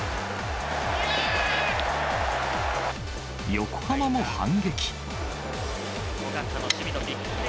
横浜も反撃。